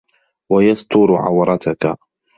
وَيَسْتُرُ عَوْرَتَك